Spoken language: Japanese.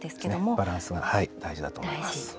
バランスが大事だと思います。